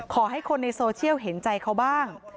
ขอให้คนในโซเชียลเห็นใจเขาบ้าง